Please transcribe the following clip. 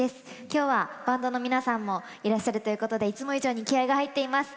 きょうはバンドの皆さんもいらっしゃるということでいつも以上に気合いが入っています。